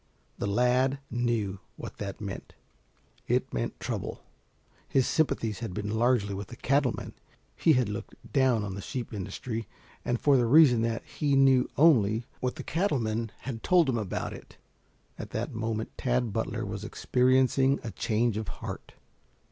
The lad knew what that meant. It meant trouble. His sympathies had been largely with the cattle men he had looked down on the sheep industry and for the reason that he knew only what the cattle men had told him about it. At that moment Tad Butler was experiencing a change of heart.